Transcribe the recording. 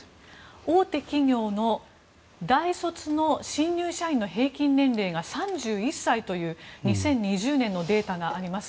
大手企業の大卒の新入社員の平均年齢が３１歳という２０２０年のデータがあります。